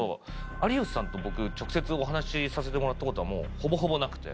有吉さんと僕直接お話させてもらったことはもうほぼほぼなくて。